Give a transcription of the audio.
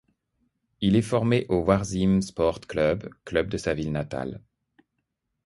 Il est formé au Varzim Sport Club, club de sa ville natale.